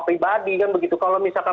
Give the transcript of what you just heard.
pribadi kan begitu kalau misalkan